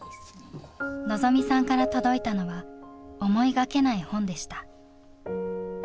望未さんから届いたのは思いがけない本でした。